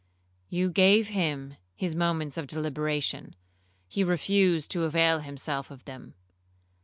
You gave him his moments of deliberation,—he refused to avail himself of them.